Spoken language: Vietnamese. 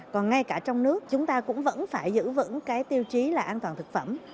còn ngay cả trong nước chúng ta cũng vẫn phải giữ vững cái tiêu chí là an toàn thực phẩm